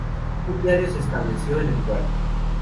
Un diario se estableció en el lugar.